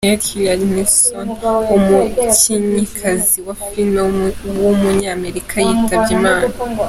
Harriet Hillard Nelson, umukinnyikazi wa film w’umunyamerika yitabye Imana.